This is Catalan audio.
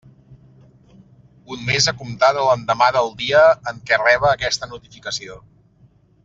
Un mes a comptar de l'endemà del dia en què reba aquesta notificació.